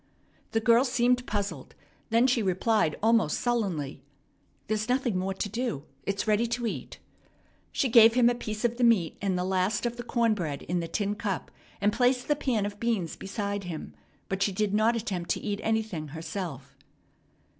The girl seemed puzzled; then she replied almost sullenly: "There's nothing more to do. It's ready to eat." She gave him a piece of the meat and the last of the corn bread in the tin cup, and placed the pan of beans beside him; but she did not attempt to eat anything herself.